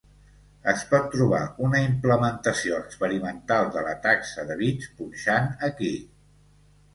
Es pot trobar una implementació experimental de la taxa de bits punxant aquí.